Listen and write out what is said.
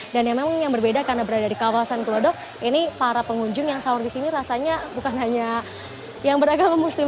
dan yang memang yang berbeda karena berada di kawasan kulodok ini para pengunjung yang sahur disini rasanya bukan hanya yang beragama muslim